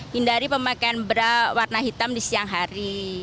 hindari pemakaian berwarna hitam di siang hari